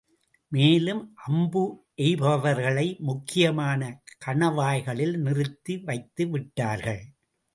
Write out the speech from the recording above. மேலும், அம்பு எய்பவர்களை, முக்கியமான கணவாய்களில் நிறுத்தி வைத்து விட்டார்கள்.